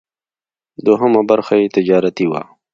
دوهمه برخه یې تجارتي وه.